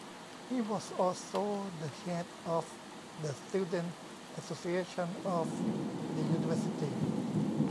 He was also the head of the student association of the university.